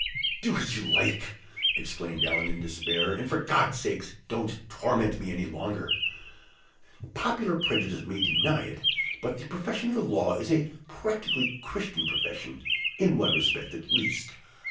"Do as you like!" exclaimed Allan, in despair. "And, for God's sake, don't torment me any longer!" Popular prejudice may deny it, but the profession of the law is a practically Christian profession in one respect at least.